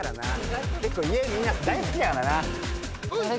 結構家みんな大好きだからな。